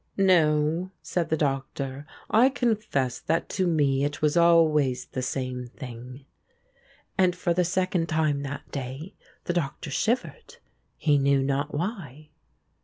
"No," said the Doctor, "I confess that to me it was always the same thing." And for the second time that day the Doctor shivered, he knew not why.